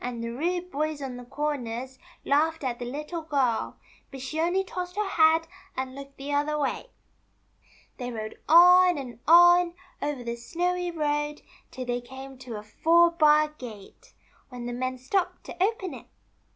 the rude boys on the corners laughed at the Little Girl ; but she only tossed her head, and looked the other way. They rode on and on, over the snowy road, till they came to a four bar gate, when the men stopped to open it.